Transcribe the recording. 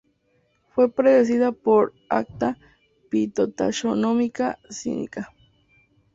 Fue precedida por "Acta Phytotaxonomica Sinica".